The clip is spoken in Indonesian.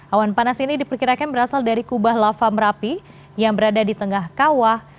awan panas ini diperkirakan berasal dari kubah lava merapi yang berada di tengah kawah